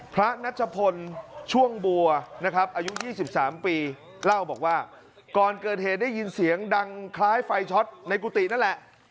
นัชพลช่วงบัวนะครับอายุ๒๓ปีเล่าบอกว่าก่อนเกิดเหตุได้ยินเสียงดังคล้ายไฟช็อตในกุฏินั่นแหละ